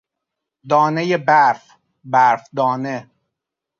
دانهی برف، برف دانه